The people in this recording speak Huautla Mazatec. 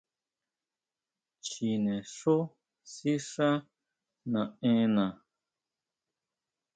Chinexjó sixá naʼenna.